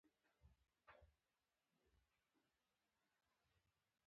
آیا د انګریزامو ماتول د پښتنو ویاړ نه دی؟